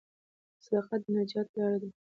صداقت د نجات لار ده.